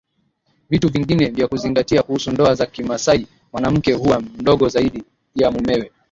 Vitu vingine vya kuzingatia kuhusu ndoa za kimasai mwanamke huwa mdogo zaidi ya mumewe